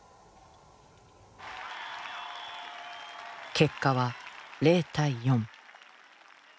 結果は０対４。